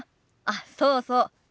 あっそうそう。